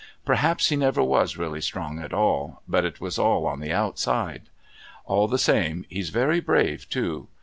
Perhaps he never was really strong at all, but it was all on the outside. All the same he's very brave too.